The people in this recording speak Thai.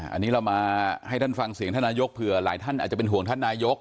อันนี้เรามาให้ท่านฟังเสียงท่านนายกเผื่อหลายท่านอาจจะเป็นห่วงท่านนายก